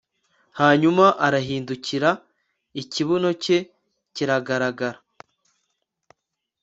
hanyuma arahindukira, ikibuno cye kiragaragara